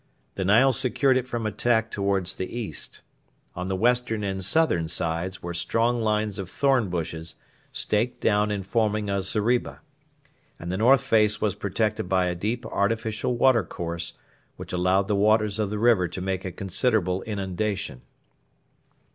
The Nile secured it from attack towards the east. On the western and southern sides were strong lines of thorn bushes, staked down and forming a zeriba; and the north face was protected by a deep artificial watercourse which allowed the waters of the river to make a considerable inundation.